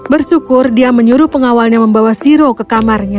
bersyukur dia menyuruh pengawalnya membawa siro ke kamarnya